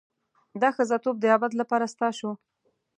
دا ښځتوب د ابد لپاره ستا شو.